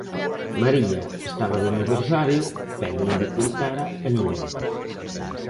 María estaba de aniversario, pero non llo contara a ninguén.